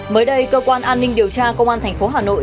mới đây cơ quan an ninh điều tra công an thành phố hà nội